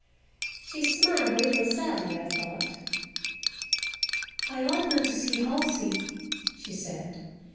She smiled a little, sadly, I thought. "I ought not to see Halsey," she said.